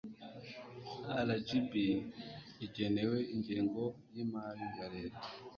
rgb igenerwa ingengo y imari ya leta